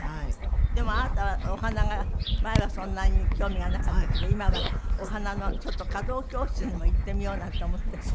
でもあなたはお花が前はそんなに興味がなかったけど今はお花のちょっと華道教室にも行ってみようなんて思ってる？